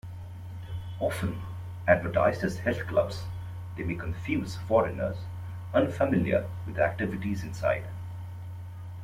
Often advertised as "health clubs", they may confuse foreigners unfamiliar with the activities inside.